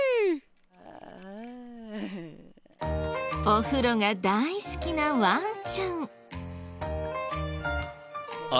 お風呂が大好きなワンちゃん。